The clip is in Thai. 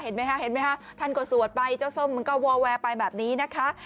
ไหมคะเห็นไหมคะท่านก็สวดไปเจ้าส้มมันก็วอลแวร์ไปแบบนี้นะคะ